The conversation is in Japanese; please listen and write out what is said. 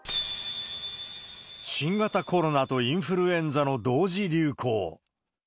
新型コロナとインフルエンザの同時流行。